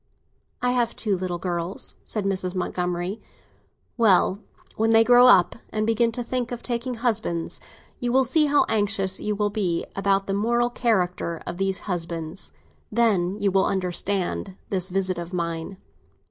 "I have two little girls," said Mrs. Montgomery. "Well, when they grow up, and begin to think of taking husbands, you will see how anxious you will be about the moral character of these gentlemen. Then you will understand this visit of mine!"